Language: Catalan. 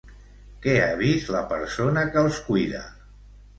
Què ha vist la persona que els cuida?